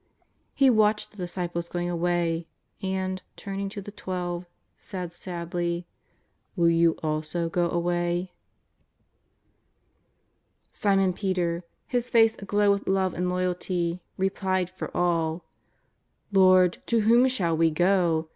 He watched the disciples going away, and, turning to the Twelve, said sadly: " Will you also go away ?" 250 JESUS OF NAZAKETH. Simon Peter, his face aglow with love auJ loyalty> replied for all: *' Lord, to whom shall we go